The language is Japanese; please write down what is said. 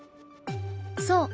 そう。